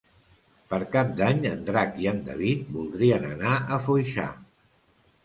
Per Cap d'Any en Drac i en David voldrien anar a Foixà.